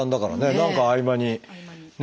何か合間にね。